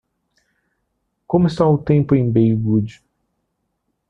como está o tempo em Baywood